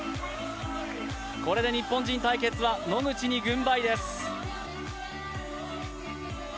これで日本人対決は野口に軍配です。